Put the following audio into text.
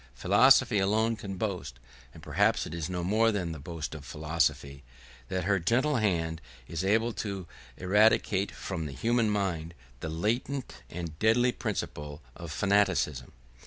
Philosophy alone can boast, (and perhaps it is no more than the boast of philosophy,) that her gentle hand is able to eradicate from the human mind the latent and deadly principle of fanaticism.